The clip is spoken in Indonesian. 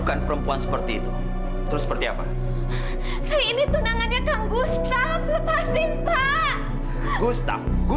kalau ada apa kamu mau ambil